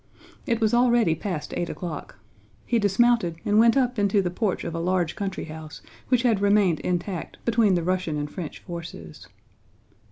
It was already past eight o'clock. He dismounted and went up into the porch of a large country house which had remained intact between the Russian and French forces.